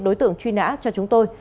đối tượng truy nã cho chúng tôi